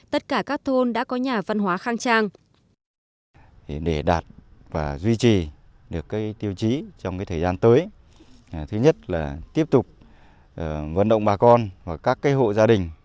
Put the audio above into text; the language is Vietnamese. tất cả các thôn đã có nhà văn hóa khang trang